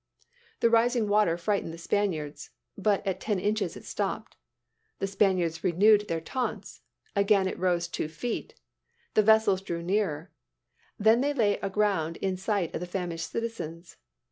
The rising water frightened the Spaniards. But at ten inches, it stopped. The Spaniards renewed their taunts. Again it rose two feet; the vessels drew nearer: then they lay aground in sight of the famished citizens.